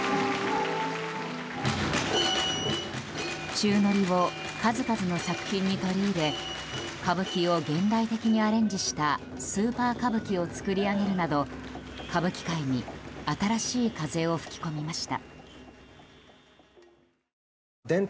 宙乗りを数々の作品に取り入れ歌舞伎を現代的にアレンジした「スーパー歌舞伎」を作り上げるなど歌舞伎界に新しい風を吹き込みました。